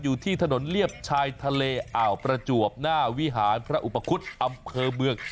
อยู่ที่ถนนเลียบชายทะเลอ่าวประจวบหน้าวิหารพระอุปคุฎอำเภอเมือง